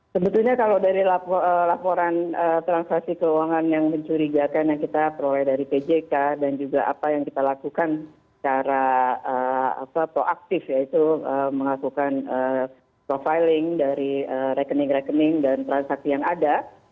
sebetulnya kalau dari laporan transaksi keuangan yang mencurigakan yang kita peroleh dari pjk dan juga apa yang kita lakukan secara proaktif yaitu melakukan profiling dari rekening rekening dan transaksi yang ada